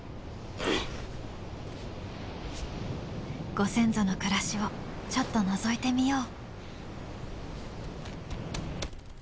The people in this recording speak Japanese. ご先祖の暮らしをちょっとのぞいてみよう。